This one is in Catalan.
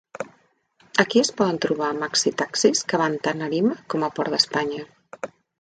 Aquí es poden trobar maxi-taxis que van tant a Arima com a Port d'Espanya.